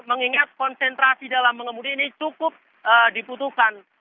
mengingat konsentrasi dalam pengemudi ini cukup diputuhkan